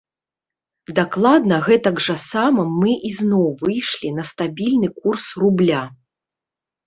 Дакладна гэтак жа сама мы ізноў выйшлі на стабільны курс рубля.